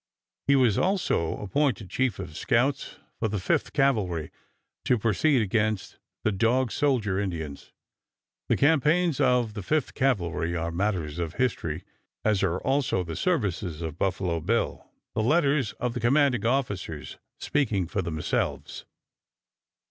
He was also appointed chief of scouts for the Fifth Cavalry to proceed against the Dog Soldier Indians. The campaigns of the Fifth Cavalry are matters of history, as are also the services of Buffalo Bill, the letters of the commanding officers speaking for themselves.